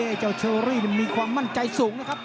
ไอ้เจ้าเชอรี่มีความมั่นใจสูงนะครับ